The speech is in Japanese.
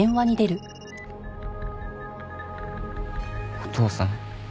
お父さん？